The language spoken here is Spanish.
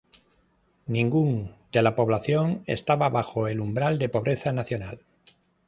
Ningún de la población estaba bajo el umbral de pobreza nacional.